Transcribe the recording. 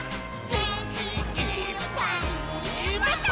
「げんきいっぱいもっと」